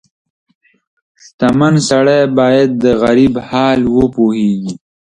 • شتمن سړی باید د غریب حال وپوهيږي.